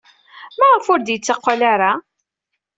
Maɣef ur d-yetteqqal ara?